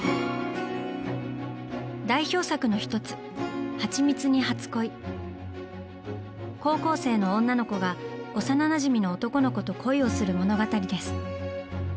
代表作の１つ高校生の女の子が幼なじみの男の子と恋をする物語です。